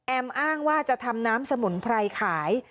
อ้างว่าจะทำน้ำสมุนไพรขาย